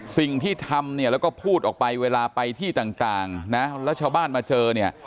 สิ่งที่ทำเนี่ยแล้วก็พูดออกไปเวลาไปที่ต่างนะแล้วชาวบ้านมาเจอเนี่ย